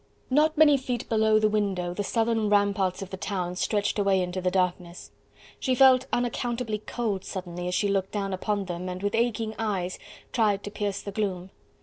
Not many feet below the window, the southern ramparts of the town stretched away into the darkness. She felt unaccountably cold suddenly as she looked down upon them and, with aching eyes, tried to pierce the gloom.